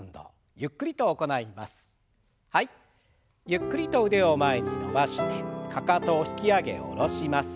ゆっくりと腕を前に伸ばしてかかとを引き上げ下ろします。